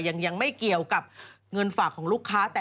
ยังไม่เกี่ยวกับเงินฝากของลูกค้าแต่